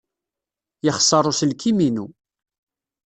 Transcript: Yexṣer uselkim-inu.